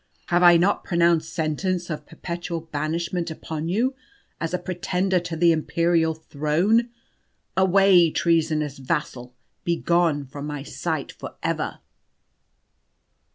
Have I not pronounced sentence of perpetual banishment upon you as a pretender to the imperial throne? Away, treasonous vassal; begone from my sight for ever!"